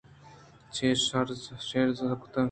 چےءُ شیزاران کُت